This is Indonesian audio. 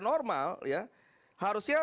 normal ya harusnya